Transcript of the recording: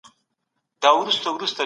تاسي په خپلو لاسونو کي صفايي لرئ.